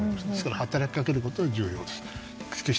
ですから、働きかけることが重要です。